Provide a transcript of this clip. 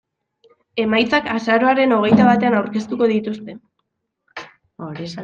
Emaitzak azaroaren hogeita batean aurkeztuko dituzte.